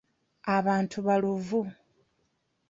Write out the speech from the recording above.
Abantu baluvu.